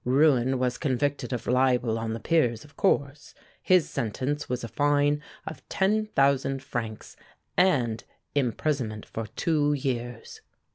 Rouen was convicted of libel on the peers, of course; his sentence was a fine of ten thousand francs and imprisonment for two years."